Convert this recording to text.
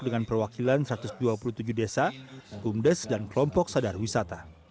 dengan perwakilan satu ratus dua puluh tujuh desa bumdes dan kelompok sadar wisata